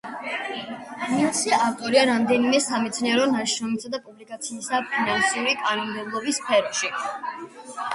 მილსი ავტორია რამდენიმე სამეცნიერო ნაშრომისა და პუბლიკაციისა ფინანსური კანონმდებლობის სფეროში.